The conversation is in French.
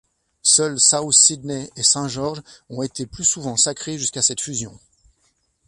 Seuls South Sydney et Saint George ont été plus souvent sacrés jusqu’à cette fusion.